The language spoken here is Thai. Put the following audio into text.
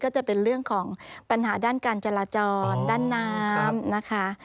ก็จะเป็นเรื่องของปัญหาด้านการจราจรด้านน้ำนะคะ